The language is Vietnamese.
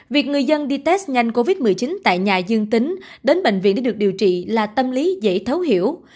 việc người dân đi test nhanh covid một mươi chín tại nhà dương tính đến bệnh viện để được điều trị là tâm lý dễ thấu hiểu